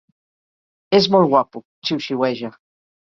És molt guapo, xiuxiueja.